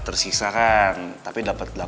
tersiksa kan tapi dapet